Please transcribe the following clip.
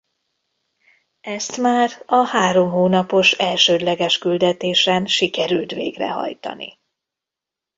Ezt már a három hónapos elsődleges küldetésen sikerült végrehajtani.